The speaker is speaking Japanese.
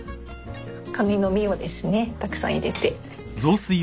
カニの身をですねたくさん入れて。